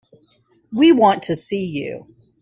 We want to see you.